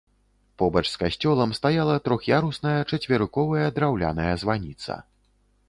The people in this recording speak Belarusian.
Побач з касцёлам стаяла трох'ярусная чацверыковая драўляная званіца.